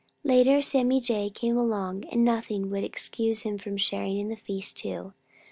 Later Sammy Jay came along, and nothing would excuse him from sharing in the feast, too.